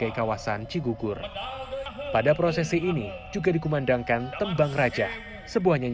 apa aja bu udah masak apa aja bu